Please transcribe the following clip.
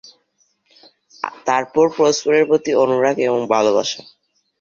তারপর পরস্পরের প্রতি অনুরাগ এবং ভালোবাসা।